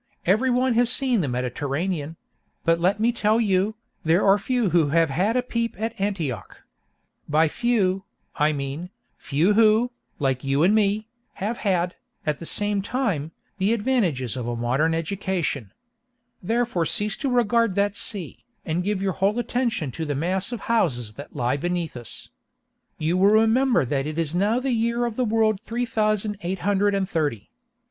Every one has seen the Mediterranean; but let me tell you, there are few who have had a peep at Antioch. By few, I mean, few who, like you and me, have had, at the same time, the advantages of a modern education. Therefore cease to regard that sea, and give your whole attention to the mass of houses that lie beneath us. You will remember that it is now the year of the world three thousand eight hundred and thirty.